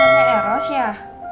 apaan tuh pacarnya eros ya